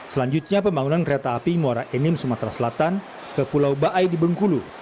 selanjutnya pembangunan kereta api muara enim sumatera selatan ke pulau baai di bengkulu